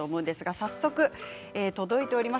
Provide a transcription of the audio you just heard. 早速、届いております